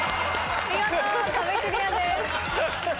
見事壁クリアです。